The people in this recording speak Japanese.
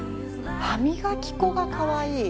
歯磨き粉がかわいい。